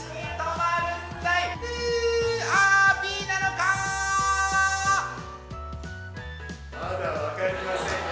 まだ分かりませんよ